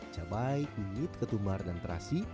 cabai kunyit ketumbar dan terasi